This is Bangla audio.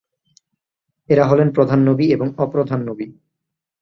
এরা হলেন প্রধান নবী এবং অপ্রধান নবী।